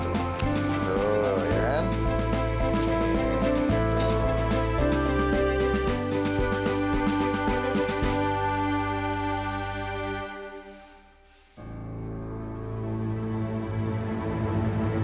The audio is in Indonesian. tuh ya kan